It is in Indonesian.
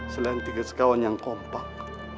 selain tingkat sekawan yang kompak